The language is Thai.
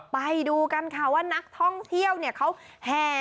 ไปดูกันค่ะว่านักท่องเที่ยวเขาแห่